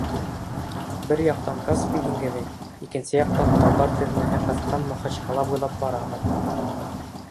Бер яҡтан Каспий диңгеҙе, икенсе яҡтан тауҙар теҙмәһе ҡыҫҡан Махачкала буйлап барабыҙ.